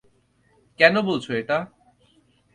কেন বলছো এটা?